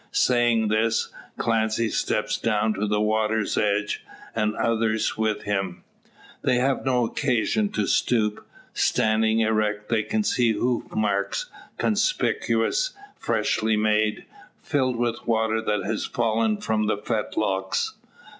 Saying this, Clancy steps down to the water's edge, the others with him. They have no occasion to stoop. Standing erect they can see hoof marks, conspicuous, freshly made, filled with water that has fallen from the fetlocks.